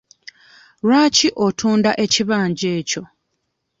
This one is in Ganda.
Lwaki otunda ekibanja ekyo?